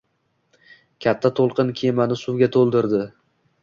Katta to'lqin kemani suvga to‘ldirdi